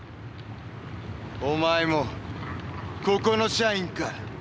お前もここの社員か？